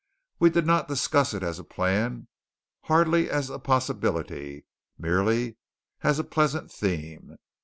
We did not discuss it as a plan, hardly as a possibility, merely as a pleasant theme.